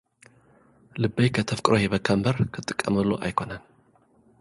ልበይ ከተፍቅሮ ሂበካ እምበር፡ ክትጥቀመሉ ኣይኮነን።